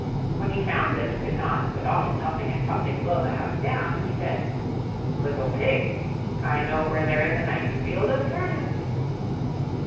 When he found that he could not, with all his huffing and puffing, blow the house down, he said, "Little Pig, I know where there is a nice field of turnips."